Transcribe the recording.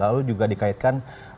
lalu juga dikaitkan